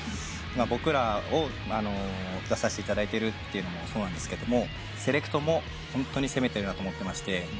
僕らを出させていただいてるのもそうなんですけどもセレクトもホントに攻めてるなと思ってまして。